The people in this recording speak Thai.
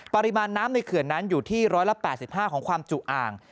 ปริมาณน้ำในเขื่อนนั้นอยู่ที่๑๘๕ของความจุอ่าง